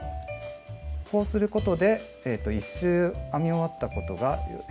こうすることで１周編み終わったことが簡単に分かります。